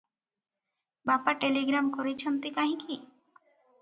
ବାପା ଟେଲିଗ୍ରାମ କରିଚନ୍ତି କାହିଁକି?